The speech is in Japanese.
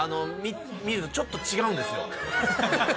見るとちょっと違うんですよ。